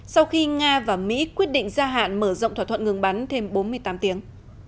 sau khi nga và mỹ quyết định gia hạn mở rộng thỏa thuận ngừng bắn thêm bốn mươi tám tiếng